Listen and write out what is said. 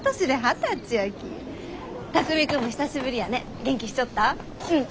巧海君も久しぶりやね元気しちょった？